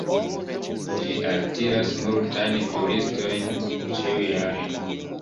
Ĝi altiras multajn turistojn ĉiujare.